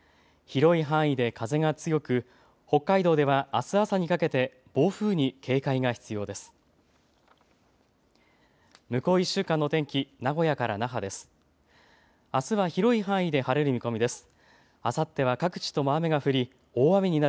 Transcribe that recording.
広い範囲で風が強く北海道ではあす朝にかけて暴風に警戒が必要です。